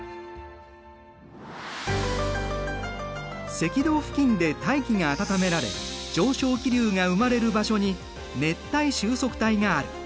赤道付近で大気が温められ上昇気流が生まれる場所に熱帯収束帯がある。